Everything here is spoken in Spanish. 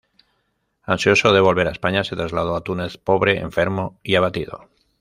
Ansioso de volver a España se trasladó a Túnez, pobre, enfermo y abatido.